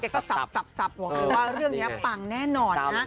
เขาก็สับว่าเรื่องนี้ปังแน่นอน